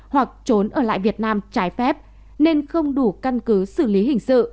hoặc trốn ở lại việt nam trái phép nên không đủ căn cứ xử lý hình sự